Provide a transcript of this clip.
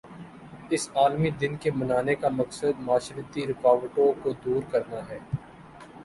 اس عالمی دن کے منانے کا مقصد معاشرتی رکاوٹوں کو دور کرنا ہے